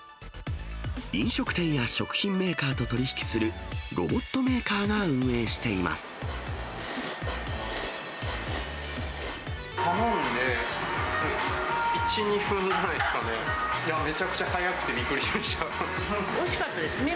飲食店や食品メーカーと取り引きするロボットメーカーが運営して頼んで、１、２分じゃないですかね。